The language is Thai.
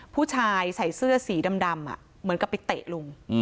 ผู้ชายใส่เสื้อสีดำเหมือนกับไปเตะลุง